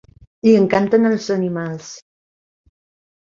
Li encanten els animals.